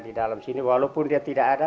di dalam sini walaupun dia tidak ada